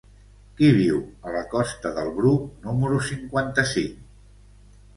Qui viu a la costa del Bruc número cinquanta-cinc?